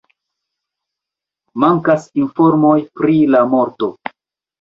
Mankas informoj pri la morto.